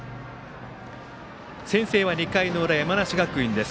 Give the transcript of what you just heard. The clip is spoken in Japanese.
先制は２回の裏、山梨学院です。